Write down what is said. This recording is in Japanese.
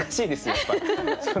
やっぱり。